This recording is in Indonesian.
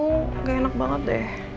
nggak enak banget deh